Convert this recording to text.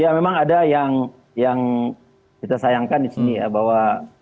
ya memang ada yang kita sayangkan di sini ya bahwa